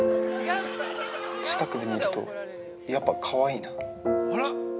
近くで見るとやっぱかわいいな。